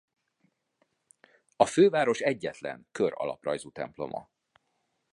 A Főváros egyetlen kör alaprajzú temploma.